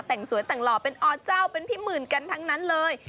แต่งสวยแต่งหล่อเป็นอเจ้าเป็นพี่หมื่นกันทั้งนั้นเลย